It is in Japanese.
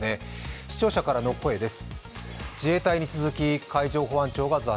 視聴者からの声です。